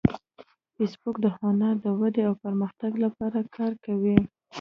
فېسبوک د هنر د ودې او پرمختګ لپاره کار کوي